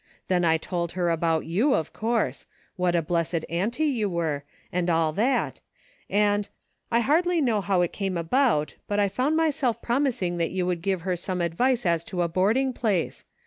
Then I told her about you, of course — what a blessed auntie you were, and all that ; and — I hardly know how it came about, ' but I found myself promising that you would give her some advice as to a boarding place.